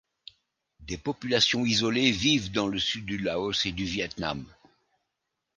Des populations isolées vivent dans le Sud du Laos et du Viêt Nam.